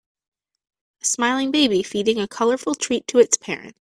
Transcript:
A smiling baby feeding a colorful treat to its parent.